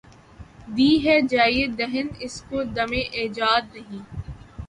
دی ہے جایے دہن اس کو دمِ ایجاد ’’ نہیں ‘‘